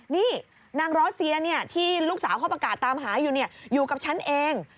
นี่นางรัสเซียที่ลูกสาวเขาประกาศตามหาอยู่อยู่กับฉันเอง